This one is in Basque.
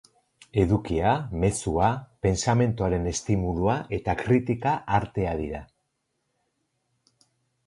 Edukia, mezua, pentsamenduaren estimulua eta kritika artea dira.